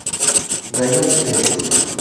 Gallant Deeds